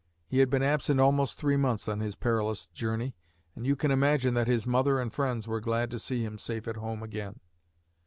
He had been absent almost three months on his perilous journey, and you can imagine that his mother and friends were glad to see him safe at home again.